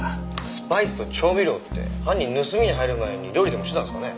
スパイスと調味料って犯人盗みに入る前に料理でもしてたんですかね？